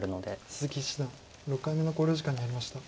鈴木七段６回目の考慮時間に入りました。